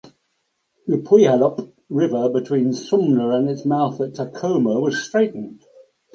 The Puyallup River between Sumner and its mouth at Tacoma was straightened.